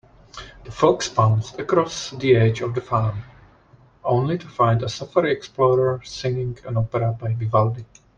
The fox pounced across the edge of the farm, only to find a safari explorer singing an opera by Vivaldi.